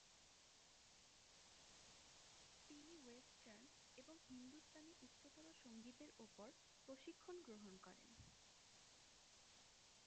তিনি ওয়েস্টার্ন এবং হিন্দুস্তানি উচ্চতর সঙ্গীতের উপর প্রশিক্ষণ গ্রহণ করেন।